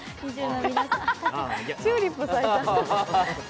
チューリップ咲いた。